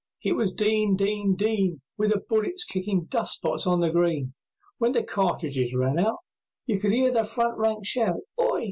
It was "Din! Din! Din!" With the bullet kickin' dust spots on the green; When the cartridges ran out, You could hear the front lines shout, "Hi!